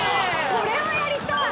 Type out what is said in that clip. これはやりたい！